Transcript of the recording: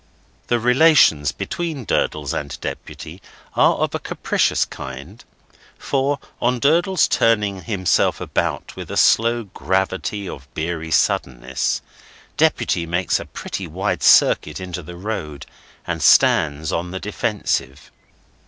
The relations between Durdles and Deputy are of a capricious kind; for, on Durdles's turning himself about with the slow gravity of beery suddenness, Deputy makes a pretty wide circuit into the road and stands on the defensive.